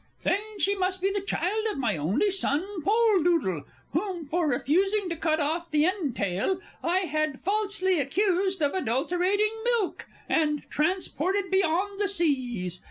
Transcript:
then she must be the child of my only son Poldoodle, whom, for refusing to cut off the entail, I had falsely accused of adulterating milk, and transported beyond the seas!